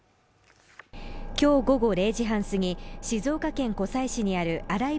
今日午後０時半すぎ、静岡県湖西市にある新居